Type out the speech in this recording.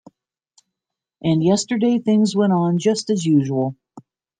And yesterday things went on just as usual.